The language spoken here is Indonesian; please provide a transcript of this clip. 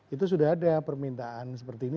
itu sudah ada permintaan seperti ini